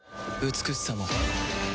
美しさも